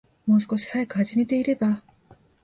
もう少し早く始めていれば